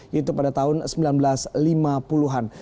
yaitu pada tahun seribu sembilan ratus lima puluh an